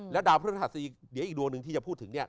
แล้วดาวพฤหัสดีเดี๋ยวอีกดวงหนึ่งที่จะพูดถึง